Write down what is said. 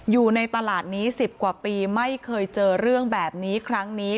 อยู่ในตลาดนี้๑๐กว่าปีไม่เคยเจอเรื่องแบบนี้ครั้งนี้